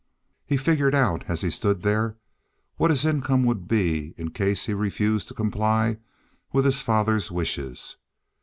He figured out, as he stood there, what his income would be in case he refused to comply with his father's wishes.